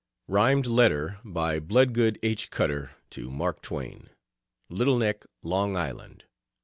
Rhymed letter by Bloodgood H. Cutter to Mark Twain: LITTLE NECK, LONG ISLAND.